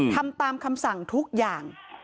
ทำตามคำสั่งทุกอย่าง